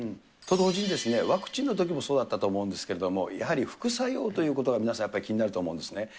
と同時に、ワクチンのときもそうだったと思うんですけれども、やはり副作用ということが皆さんやっぱり気になると思うんですね。